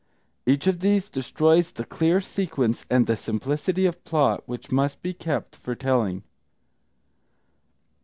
Each of these destroys the clear sequence and the simplicity of plot which must be kept for telling.